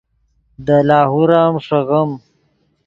دے لاہور ام ݰیغیم